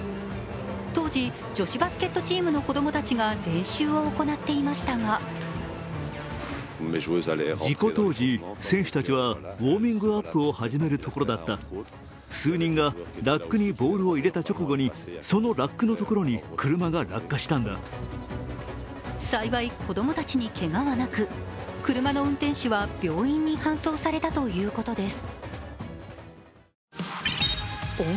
当時、女子バスケットチームの子供たちが練習を行っていましたが幸い、子供たちにけがはなく、車の運転手は、病院に搬送されたということです。